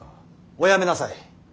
おやめなさい。